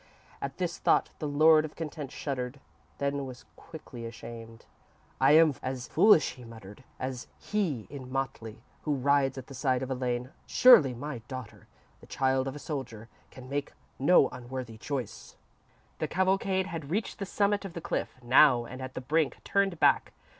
At this thought, the Lord of Content shuddered, then was quickly ashamed._ _"I am as foolish," he muttered, "as he in motley, who rides at the side of Elaine. Surely my daughter, the child of a soldier, can make no unworthy choice."_ _The cavalcade had reached the summit of the cliff, now, and at the brink, turned back.